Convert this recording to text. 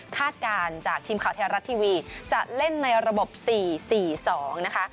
การจากทีมข่าวไทยรัฐทีวีจะเล่นในระบบ๔๔๒นะคะ